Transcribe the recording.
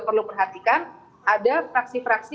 perlu perhatikan ada fraksi fraksi